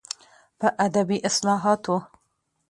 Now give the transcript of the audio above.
په ادبي اصلاحاتو